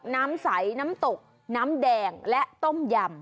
น้ำใสน้ำตกน้ำแดงและต้มยำ